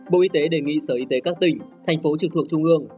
bộ y tế đề nghị sở y tế các tỉnh thành phố trực thuộc trung ương